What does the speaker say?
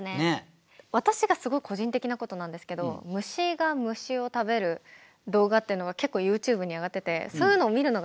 私がすごい個人的なことなんですけど虫が虫を食べる動画っていうのが結構ＹｏｕＴｕｂｅに上がってて意外。